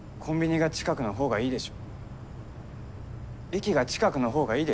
駅が近くのほうがいいでしょ？